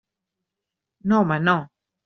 No, home, no!